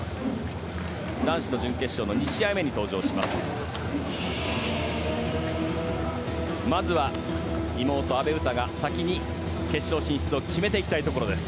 男子の準決勝の２試合目に出場します。